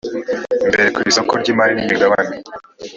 mbere ku isoko ry imari n imigabane